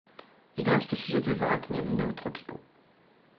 Il est un spécialiste des arachnides néotropicaux.